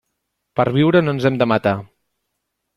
Per viure no ens hem de matar.